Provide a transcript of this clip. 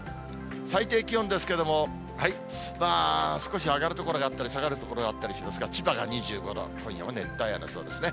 最低気温ですけれども、少し上がる所があったり、下がる所があったりしますが、千葉が２５度、今夜も熱帯夜のようですね。